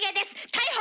逮捕！